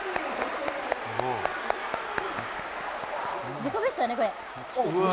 自己ベストだね、これ。